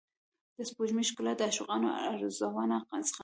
د سپوږمۍ ښکلا د عاشقانو رازونه زغمي.